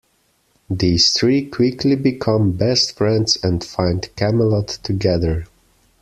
These three quickly become best friends and find Camelot together.